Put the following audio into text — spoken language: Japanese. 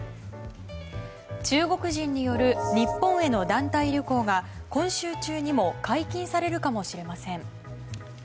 中国人による日本への団体旅行が今週中にも解禁されるかもしれません。